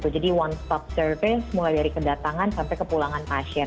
jadi one stop service mulai dari kedatangan sampai ke pulangan pasien